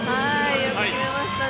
よく決めましたね。